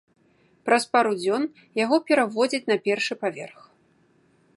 Праз пару дзён яго пераводзяць на першы паверх.